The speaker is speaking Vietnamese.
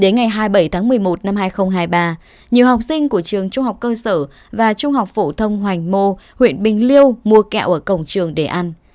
ngày hai mươi bảy tháng một mươi một năm hai nghìn hai mươi ba nhiều học sinh của trường trung học cơ sở và trung học phổ thông hoành mô huyện bình liêu mua kẹo ở cổng trường để ăn